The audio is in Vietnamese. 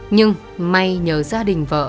nhưng may nhớ gia đình vợ